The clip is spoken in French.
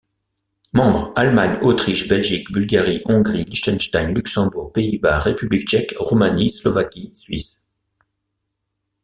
Membres: Allemagne, Autriche, Belgique, Bulgarie, Hongrie, Liechtenstein, Luxembourg, Pays-Bas, République tchèque, Roumanie, Slovaquie, Suisse.